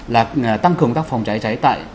là tăng cường các phòng cháy cháy